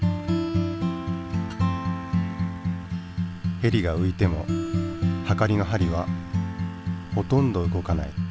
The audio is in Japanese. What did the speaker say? ヘリがういてもはかりの針はほとんど動かない。